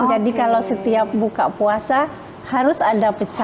jadi kalau setiap buka puasa harus ada pecel